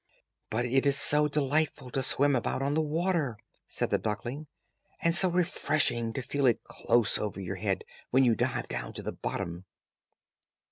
"But it is so delightful to swim about on the water," said the duckling, "and so refreshing to feel it close over your head, while you dive down to the bottom."